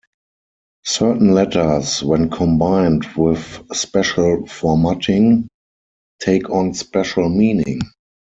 Certain letters, when combined with special formatting, take on special meaning.